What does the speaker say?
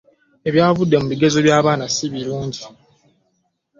Abyavudde mu bigezo bya baana sibirungi.